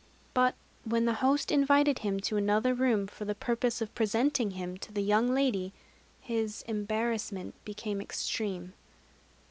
But when the host invited him to another room, for the purpose of presenting him to the young lady, his embarrassment became extreme.